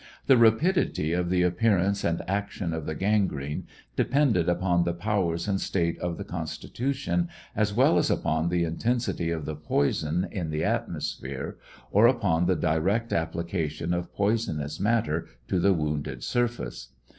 The rapidity of the appearance and action of the gangrene depended upon the powers and state of the constitution, as well as upon the intensity of the poison in the atmosphere, or upon the direct application of poisonous matter to the wounded surface.